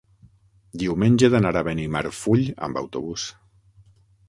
Diumenge he d'anar a Benimarfull amb autobús.